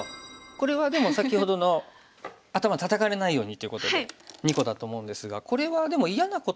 これはでも先ほどの頭タタかれないようにということで２個だと思うんですがこれはでも嫌なことが何か。